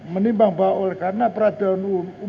menimbang bahwa oleh karena peradilan umum